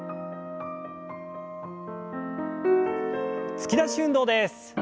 突き出し運動です。